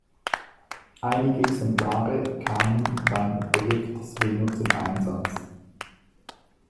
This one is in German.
Einige Exemplare kamen beim Projekt Sweno zum Einsatz.